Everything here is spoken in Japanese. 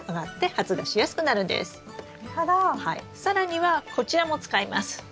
更にはこちらも使います。